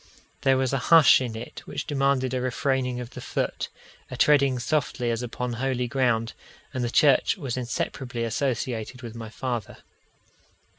There was a hush in it which demanded a refraining of the foot, a treading softly as upon holy ground; and the church was inseparably associated with my father.